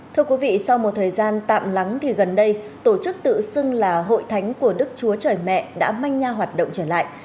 thưa quý vị sau một thời gian tạm lắng thì gần đây tổ chức tự xưng là hội thánh của đức chúa trời mẹ đã manh nha hoạt động trở lại